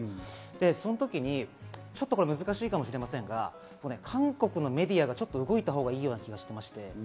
その時にちょっとこれ難しいかもしれませんが韓国のメディアが動いたほうがいいような気がしてまして。